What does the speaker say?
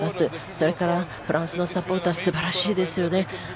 それからフランスのサポーターすばらしいですよね。